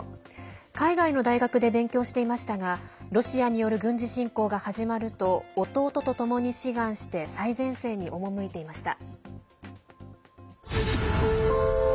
海外の大学で勉強していましたがロシアによる軍事侵攻が始まると弟とともに志願して最前線に赴いていました。